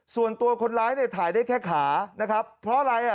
ส่วนตัวคนร้ายเนี่ยถ่ายได้แค่ขานะครับเพราะอะไรอ่ะ